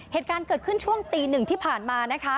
เหตุการณ์เกิดขึ้นช่วงตีหนึ่งที่ผ่านมานะคะ